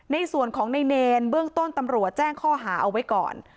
ในส่วนของในเนรเบื้องต้นตำรวจแจ้งข้อหาเอาไว้ก่อน